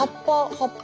葉っぱ。